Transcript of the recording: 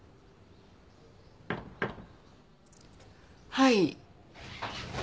・はい。